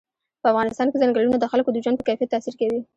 په افغانستان کې ځنګلونه د خلکو د ژوند په کیفیت تاثیر کوي.